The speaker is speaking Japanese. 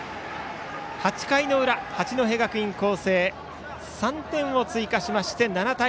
８回裏、八戸学院光星３点を追加しまして７対２。